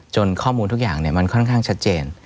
ข้อมูลทุกอย่างมันค่อนข้างชัดเจน